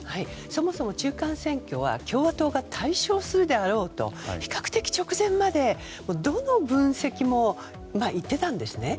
そもそも中間選挙は共和党が大勝するであろうと比較的直前までどの分析も言っていたんですね。